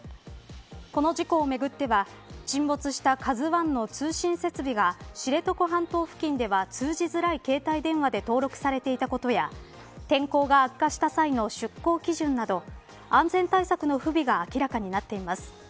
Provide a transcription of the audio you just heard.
この事故をめぐっては沈没したＫＡＺＵ１の通信設備が知床半島付近では通じづらい携帯電話で登録されていたことや天候が悪化した際の出航基準など安全対策の不備が明らかになっています。